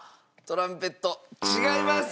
トランペット違います！